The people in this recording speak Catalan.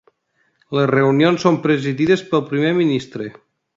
Les reunions són presidides pel Primer Ministre.